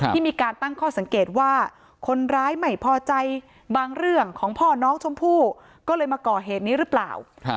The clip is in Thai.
มีการตั้งข้อสังเกตว่าคนร้ายไม่พอใจบางเรื่องของพ่อน้องชมพู่ก็เลยมาก่อเหตุนี้หรือเปล่า